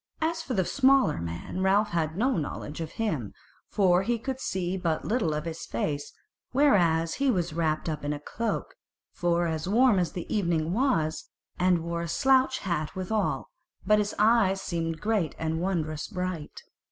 As for the smaller man Ralph had no knowledge of him, for he could see but little of his face, whereas he was wrapped up in a cloak, for as warm as the evening was, and wore a slouch hat withal; but his eyes seemed great and wondrous bright.